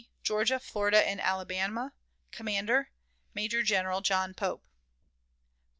Georgia, Florida, and Alabama, commander, Major General John Pope; 4.